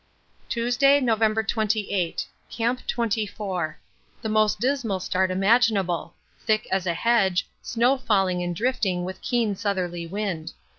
Tuesday, November 28. Camp 24. The most dismal start imaginable. Thick as a hedge, snow falling and drifting with keen southerly wind.